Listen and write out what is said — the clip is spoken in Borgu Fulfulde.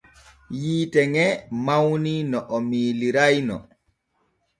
Yiite ŋe mawni no o miiliray no.